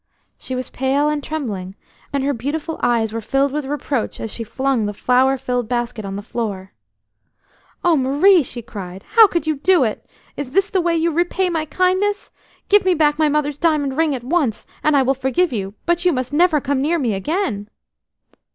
She was pale and trembling, and her beautiful eyes were filled with reproach as she flung the flower filled basket on the floor. "Oh, Marie!" she cried, "how could you do it? Is this the way you repay my kindness? Give me back my mother's diamond ring at once, and I will forgive you, but you must never come near me again."